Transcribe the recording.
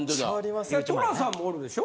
寅さんもおるでしょ？